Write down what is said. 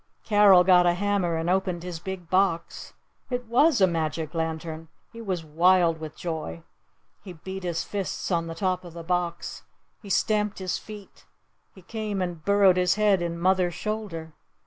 Carol got a hammer and opened his big box. It was a magic lantern! He was wild with joy! He beat his fists on the top of the box! He stamped his feet! He came and burrowed his head in mother's shoulder.